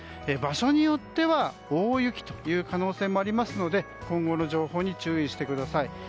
場所によっては大雪という可能性もありますので今後の情報に注意してください。